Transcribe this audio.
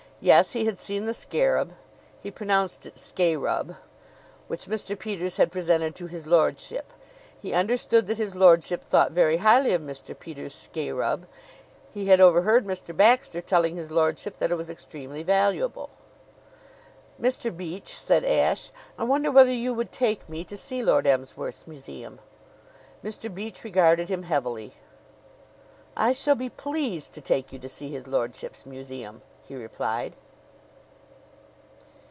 Yes; he had seen the scarab he pronounced it scayrub which Mr. Peters had presented to his lordship. He understood that his lordship thought very highly of Mr. Peters' scayrub. He had overheard Mr. Baxter telling his lordship that it was extremely valuable. "Mr. Beach," said Ashe, "I wonder whether you would take me to see Lord Emsworth's museum?" Mr. Beach regarded him heavily. "I shall be pleased to take you to see his lordship's museum," he replied.